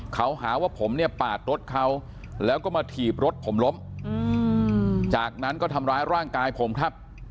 เขาหาว่าผมเนี่ยปาดรถเขาแล้วก็มาถีบรถผมล้มจากนั้นก็ทำร้ายร่างกายผมครับ